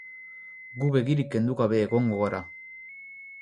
Gu begirik kendu gabe egongo gara.